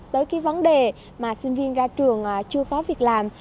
tới cái vấn đề mà sinh viên ra trường chưa có việc làm